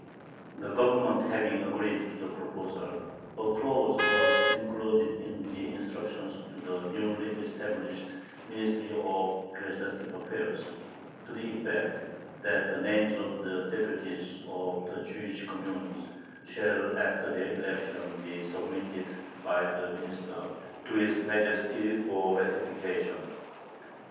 The Government having agreed to the proposal, a clause was included in the instructions to the newly established Ministry of Ecclesiastic Affairs, to the effect that "the [names of the] deputies of the Jewish communes shall after their election be submitted by the Minister to his Majesty for ratification."